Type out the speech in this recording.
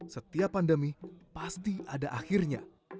setiap pandemi pasti ada akhirnya